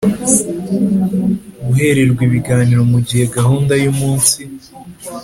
guhererwa ibiganiro mugihe gahunda yumunsi